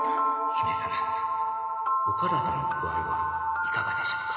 姫様お体の具合はいかがでしょうか？